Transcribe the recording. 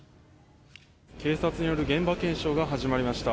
警察による現場検証が始まりました。